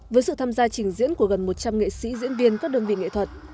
với sự tham gia trình diễn của gần một trăm linh nghệ sĩ diễn viên các đơn vị nghệ thuật